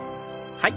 はい。